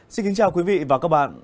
xin kính chào quý vị và các bạn